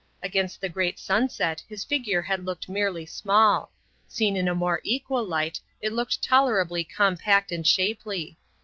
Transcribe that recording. Against the great sunset his figure had looked merely small: seen in a more equal light it looked tolerably compact and shapely.